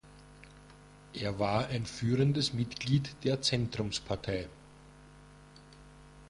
Er war ein führendes Mitglied der Zentrumspartei.